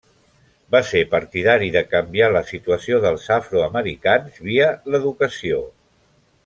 Va ser partidari de canviar la situació dels afroamericans via l'educació.